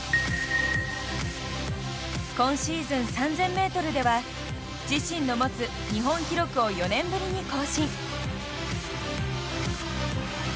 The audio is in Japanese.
今シーズン、３０００ｍでは自身の持つ日本記録を４年ぶりに更新。